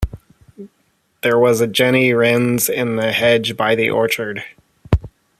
There was a jenny wren’s in the hedge by the orchard.